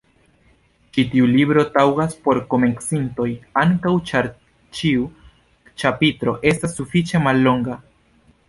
Ĉi tiu libro taŭgas por komencintoj ankaŭ ĉar ĉiu ĉapitro estas sufiĉe mallonga.